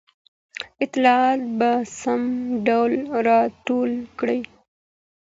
اطلاعات په سم ډول راټول کړئ.